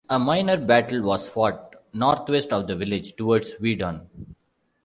A minor battle was fought northwest of the village towards Weedon.